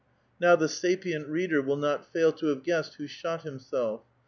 IN^ow the sapient reader will not fail to have guessed who i»hot himself.